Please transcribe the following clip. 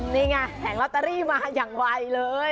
นี่ไงแผงลอตเตอรี่มาอย่างไวเลย